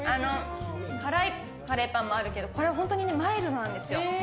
辛いカレーパンもあるけど、これ本当にマイルドなんですよ。